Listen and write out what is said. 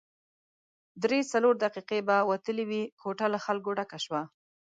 درې څلور دقیقې به وتلې وې، کوټه له خلکو ډکه شوه.